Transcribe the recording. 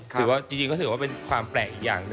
ถือว่าบางงานถือว่าเป็นความแปลกอีกอย่าง